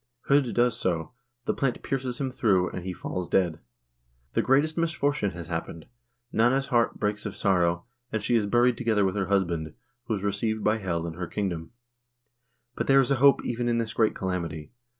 H0d does so; the plant pierces him through, and he falls dead. The greatest misfortune has happened ; Nanna's heart breaks of sorrow, and she is buried together with her husband, who is received by Hel in her kingdom. But there is a hope even in this great calamity.